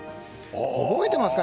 覚えてますか？